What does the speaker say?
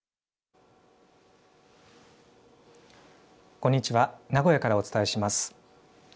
こんにちは名古屋からお伝えします。